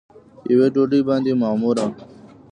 یوې ډوډۍ باندې معموره